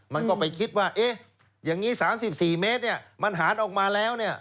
มันก็ไปคิดว่าอย่างนี้๓๔เมตรมันหารออกมาแล้วเนี่ย